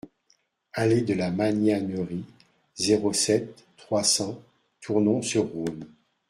Allée de la Magnanerie, zéro sept, trois cents Tournon-sur-Rhône